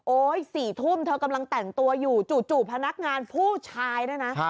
โอ้ยสี่ทุ่มเธอกำลังแต่งตัวอยู่จูบพนักงานผู้ชายนะนะ